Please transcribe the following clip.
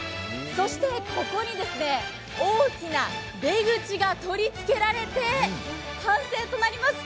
そしてここに大きな出口が取り付けられて完成となります。